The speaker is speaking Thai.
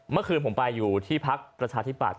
เมื่อคืนผมไปอยู่ที่พักประชาธิปัตย